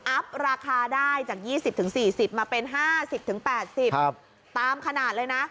ราคาได้จาก๒๐๔๐มาเป็น๕๐๘๐ตามขนาดเลยนะ